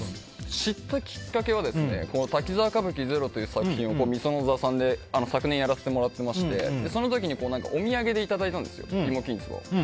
知ったきっかけは「滝沢歌舞伎ＺＥＲＯ」という作品を御園座さんで昨年やらせていただきましてその時にお土産でいただいたんです芋きんつばを。